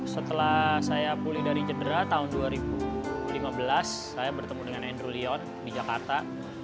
setelah saya pulih dari cedera tahun dua ribu lima belas saya bertemu dengan andrew leon di jakarta